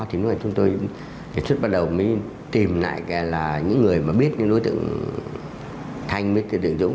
thì chúng tôi xuất bắt đầu tìm lại những người biết đối tượng thanh với đối tượng dũng